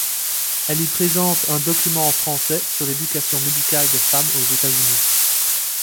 Elle y présente un document en français sur l'éducation médicale des femmes aux États-Unis.